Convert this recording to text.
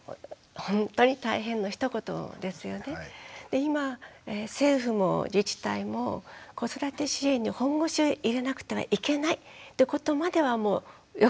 で今政府も自治体も子育て支援に本腰を入れなくてはいけないってことまではもうよく分かってきた。